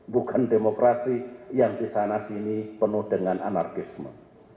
bukan demokrasi yang di sana sini penuh dengan anarkisme